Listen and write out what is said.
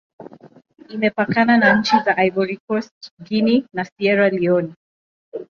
Imepakana na nchi za Ivory Coast, Guinea, na Sierra Leone.